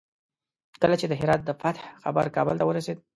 کله چې د هرات د فتح خبر کابل ته ورسېد.